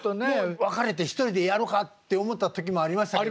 別れて１人でやろかって思った時もありましたけど。